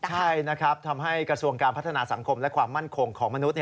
ใช่นะครับทำให้กระทรวงการพัฒนาสังคมและความมั่นคงของมนุษย